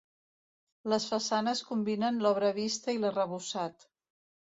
Les façanes combinen l'obra vista i l'arrebossat.